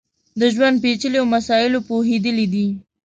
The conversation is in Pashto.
د ژوند پېچلیو مسایلو پوهېدلی دی.